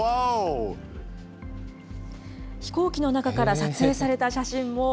飛行機の中から撮影された写真も。